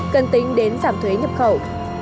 cần tính đến giảm thuế nhập khẩu